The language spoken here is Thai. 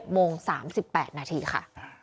โมง๓๘นาทีค่ะ